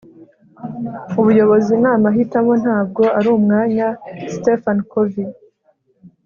ubuyobozi ni amahitamo, ntabwo ari umwanya. - stephen covey